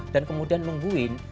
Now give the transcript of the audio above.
dan kemudian nungguin